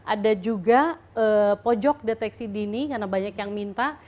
ada juga pojok deteksi dini karena banyak yang minta